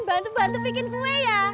bantu bantu bikin kue ya